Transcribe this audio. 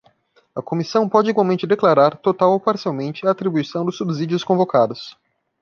A comissão pode igualmente declarar, total ou parcialmente, a atribuição dos subsídios convocados.